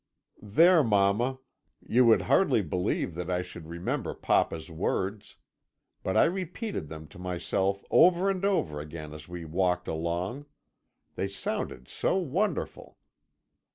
There, mamma, you would hardly believe that I should remember papa's words; but I repeated them to myself over and over again as we walked along they sounded so wonderful!